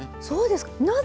そうですか。